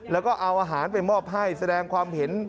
แล้วก็เอาอาหารไปมอบให้แสดงความเห็น